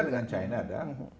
kita dengan china ada